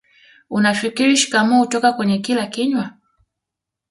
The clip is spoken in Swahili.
unafikiri shikamoo hutoka kwenye kila kinywa